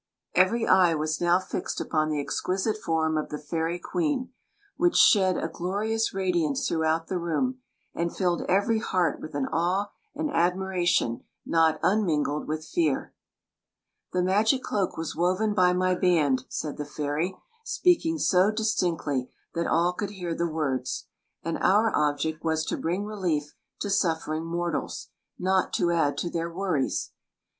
Every eye was now fixed upon the exquisite form of the fairy queen, which shed a glorious radiance throughout the room, and filled every heart with an aw« and admtratkm not unmingled with fear. "The magic cloak was woven by my band," said the fairy, speaking so distinctly that aJl could hear the words; "and our object was to bring relief to suffering mortals — not to add to their worries.